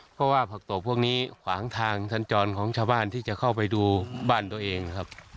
เพราะว่าผักตบพวกนี้ขวางทางสัญจรของชาวบ้านที่จะเข้าไปดูบ้านตัวเองครับ